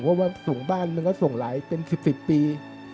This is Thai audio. เพราะว่าส่งบ้านมันก็ส่งหลายเป็น๑๐ปี